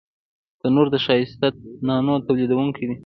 تنور د ښایسته نانو تولیدوونکی دی